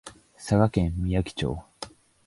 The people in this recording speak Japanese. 佐賀県みやき町